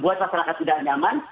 buat masyarakat tidak nyaman